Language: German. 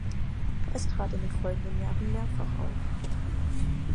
Es trat in den folgenden Jahren mehrfach auf.